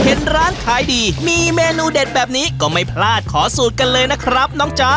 เห็นร้านขายดีมีเมนูเด็ดแบบนี้ก็ไม่พลาดขอสูตรกันเลยนะครับน้องจ๊ะ